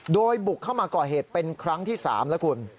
โดยบุกเข้ามาก่อเหตุเป็นครั้งที่๓แล้วคุณ